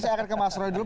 saya akan ke mas roy dulu